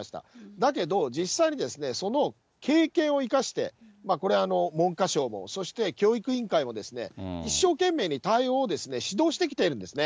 だけど実際にですね、その経験を生かして、これ、文科省も、そして、教育委員会もですね、一生懸命に対応を指導してきているんですね。